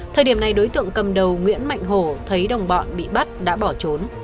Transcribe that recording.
thời điểm này đối tượng cầm đầu nguyễn mạnh hổ thấy đồng bọn bị bắt đã bỏ trốn